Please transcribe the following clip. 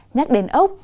nhắc đến ốc